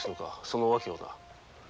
その訳をな。